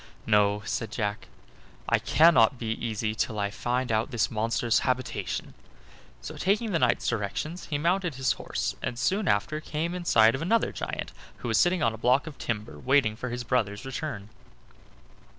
"No," said Jack, "I cannot be easy till I find out this monster's habitation." So, taking the knight's directions, he mounted his horse and soon after came in sight of another giant, who was sitting on a block of timber waiting for his brother's return.